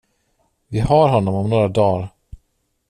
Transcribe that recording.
Vi har honom om några dagar.